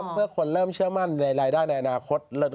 เมื่อคนเริ่มเชื่อมั่นในรายได้ในอนาคต